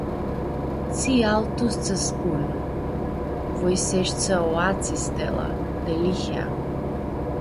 Tsi altu s-tsã spun? Voi s-eshtsã aoatsi, Stela, delihea.